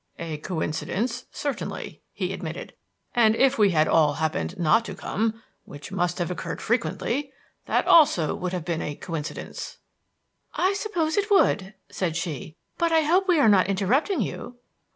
"A coincidence, certainly," he admitted; "and if we had all happened not to come which must have occurred frequently that also would have been a coincidence." "I suppose it would," said she, "but I hope we are not interrupting you."